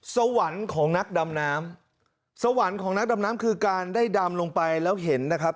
สวรรค์ของนักดำน้ำสวรรค์ของนักดำน้ำคือการได้ดำลงไปแล้วเห็นนะครับ